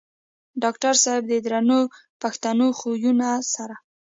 ډاکټر صېب د درنو پښتنو خويونو سره